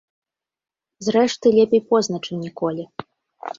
Зрэшты, лепей позна, чым ніколі.